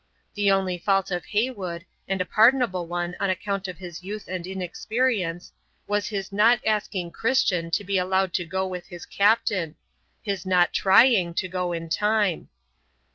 The only fault of Heywood, and a pardonable one on account of his youth and inexperience, was his not asking Christian to be allowed to go with his captain, his not trying to go in time.